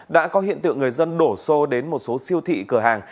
đã có hiện tượng người dân đổ xô đến một số siêu thị cửa hàng